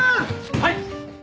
はい！